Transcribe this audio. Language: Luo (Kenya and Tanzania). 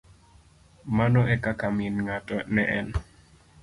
Mano ekaka min ng'ato ne en.